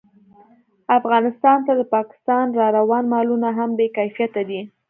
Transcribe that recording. افغانستان ته د پاکستان راروان مالونه هم بې کیفیته دي